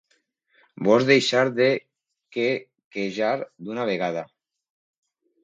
Vols deixar de quequejar d'una vegada?